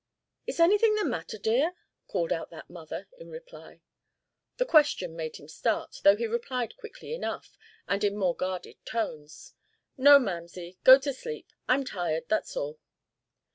"Is anything the matter, dear?" called out that mother, in reply. The question made him start, though he replied quickly enough, and in more guarded tones: "No, mamsie. Go to sleep. I'm tired, that's all."